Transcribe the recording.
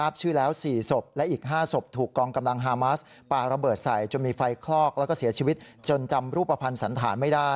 เป็นของใครครับ